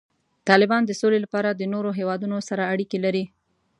طالبان د سولې لپاره د نورو هیوادونو سره اړیکې لري.